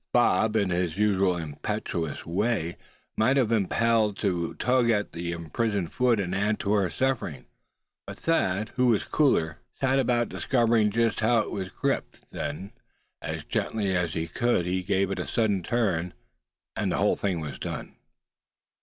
Bob in his usual impetuous way might have been impelled to tug at that imprisoned foot, and add to her sufferings; but Thad, who was cooler, set about discovering just how it was gripped; then, as gently as he could he gave it a sudden turn, and the thing was done.